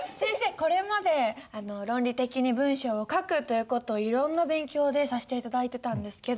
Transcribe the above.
これまで論理的に文章を書くという事をいろんな勉強でさせて頂いてたんですけど。